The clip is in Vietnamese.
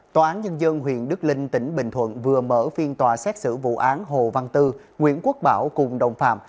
tòa án nhân dân huyện đức linh tỉnh bình thuận vừa mở phiên tòa xét xử vụ án hồ văn tư nguyễn quốc bảo cùng đồng phạm